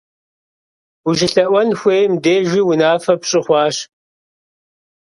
УщылъэӀуэн хуейм дежи унафэ пщӀы хъуащ.